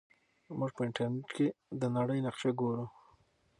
موږ په انټرنیټ کې د نړۍ نقشه ګورو.